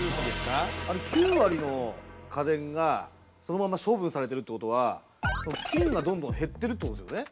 あれ９割の家電がそのまま処分されてるってことは金がどんどん減ってるってことですよね。